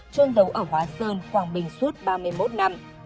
trôn đấu ở hóa sơn quảng bình suốt ba mươi một năm